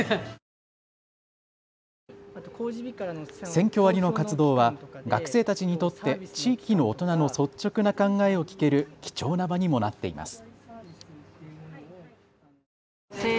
センキョ割の活動は学生たちにとって地域の大人の率直な考えを聞ける貴重な場にもなっています。